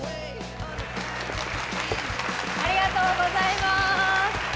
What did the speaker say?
ありがとうございます。